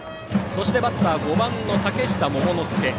そしてバッターは５番、嶽下桃之介。